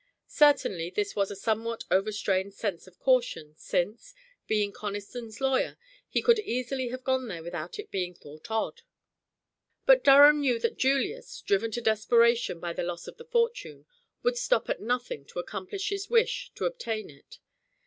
Certainly this was a somewhat over strained sense of caution, since, being Conniston's lawyer, he could easily have gone there without it being thought odd. But Durham knew that Julius, driven to desperation by the loss of the fortune, would stop at nothing to accomplish his wish to obtain it.